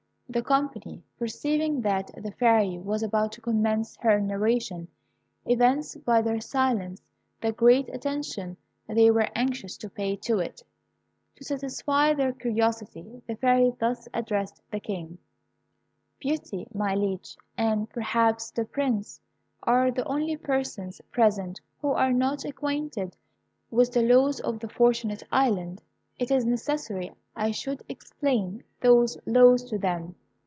The company, perceiving that the Fairy was about to commence her narration, evinced by their silence the great attention they were anxious to pay to it. To satisfy their curiosity the Fairy thus addressed the King: "Beauty, my liege, and perhaps the Prince, are the only persons present who are not acquainted with the laws of the Fortunate Island. It is necessary I should explain those laws to them.